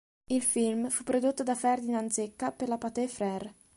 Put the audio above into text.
Il film fu prodotto da Ferdinand Zecca per la Pathé Frères.